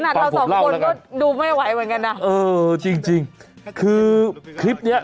เราสองคนก็ดูไม่ไหวเหมือนกันนะเออจริงจริงคือคลิปเนี้ย